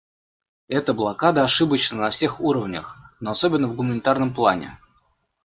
Эта блокада ошибочна на всех уровнях, но особенно в гуманитарном плане.